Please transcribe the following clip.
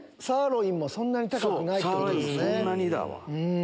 サーロインそんなにだわ。